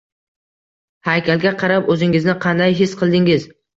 Haykalga qarab o'zingizni qanday his qildingiz?